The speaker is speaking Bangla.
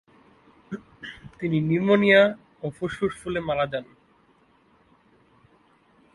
তিনি নিউমোনিয়া ও ফুসফুস ফুলে মারা যান।